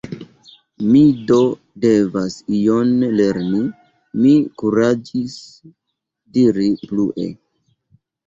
Mi do devas ion lerni, mi kuraĝis diri plue.